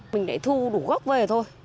mình đẩy thu đủ gốc về thôi